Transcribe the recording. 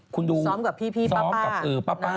ซ้อมกับพี่ป้า